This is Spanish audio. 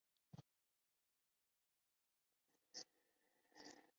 La punta de la cola es de color negro.